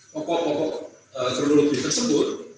pokok pokok terlulu di tersebut